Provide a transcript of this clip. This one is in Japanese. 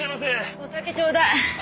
お酒ちょうだい。